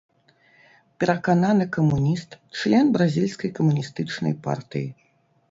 Перакананы камуніст, член бразільскай камуністычнай партыі.